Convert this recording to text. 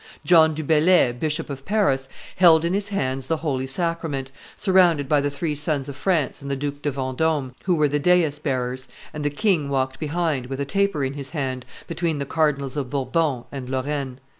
John du Bellay, Bishop of Paris, held in his hands the holy sacrament, surrounded by the three sons of France and the Duke de Vendome, who were the dais bearers; and the king walked behind, with a taper in his hand, between the Cardinals of Bourbon and Lorraine.